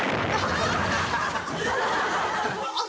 あっ！